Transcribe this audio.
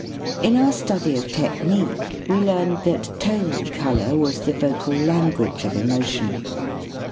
In our study of tech nique we learned that tone color was the vocal language of emotion.